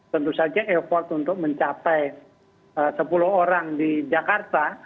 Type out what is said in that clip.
tentu saja effort untuk mencapai sepuluh orang di jakarta